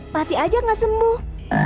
pasti aja gak sembuh